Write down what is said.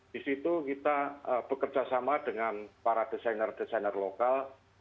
di situ kita bekerja sama dengan para desainer desainer lokal